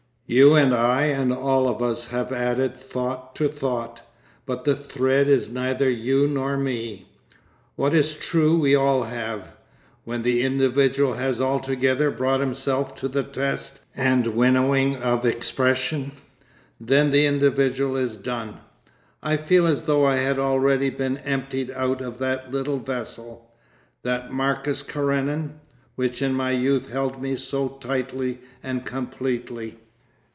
You and I and all of us have added thought to thought, but the thread is neither you nor me. What is true we all have; when the individual has altogether brought himself to the test and winnowing of expression, then the individual is done. I feel as though I had already been emptied out of that little vessel, that Marcus Karenin, which in my youth held me so tightly and completely.